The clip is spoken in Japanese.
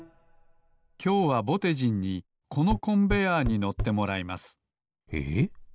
きょうはぼてじんにこのコンベアーに乗ってもらいますえっ？